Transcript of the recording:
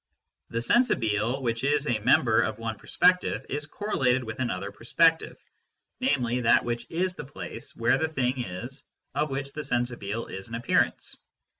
The " sensibile " which is a member of one perspective is correlated with another perspective, namely, that which is the place where the thing is of which the " sensibile " is an appearance.